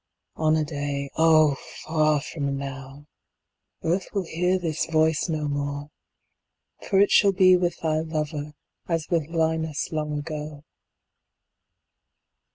On a day (Oh, far from now!) Earth will hear this voice no more; 10 For it shall be with thy lover As with Linus long ago.